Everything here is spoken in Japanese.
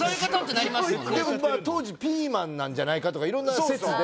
でも当時ピーマンなんじゃないかとかいろんな説で。